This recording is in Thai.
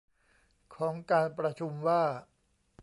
ของการประชุมว่า